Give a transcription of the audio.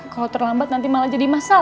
kalau terlambat nanti malah jadi masalah